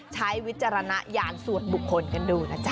วิจารณญาณส่วนบุคคลกันดูนะจ๊